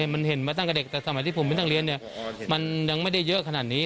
มันเห็นมาตั้งแต่เด็กแต่สมัยที่ผมเป็นนักเรียนมันยังไม่ได้เยอะขนาดนี้